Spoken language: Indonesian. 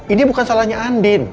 ini bukan salahnya andin